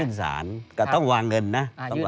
ขึ้นศาลก็ต้องวางเงินนะ